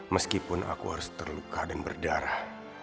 meskipun aku harus terluka dan berdarah